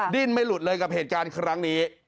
ดิ้นไม่หลุดเลยกับเหตุการณ์ครั้งนี้